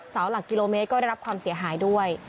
หลักกิโลเมตรก็ได้รับความเสียหายด้วย